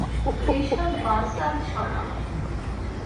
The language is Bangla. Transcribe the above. এইসব বালছাল সরাও।